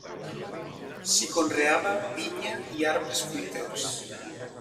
S'hi conreava vinya i arbres fruiters.